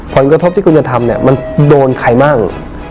ผลกระทบที่คุณจะทำเนี่ยมันโดนใครมั่ง